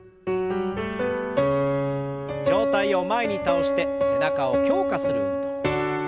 上体を前に倒して背中を強化する運動。